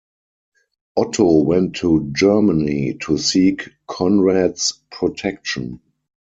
Otto went to Germany to seek Conrad's protection.